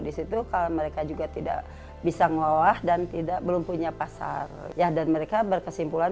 disitu kalau mereka juga tidak bisa ngelola dan tidak belum punya pasar ya dan mereka berkesimpulan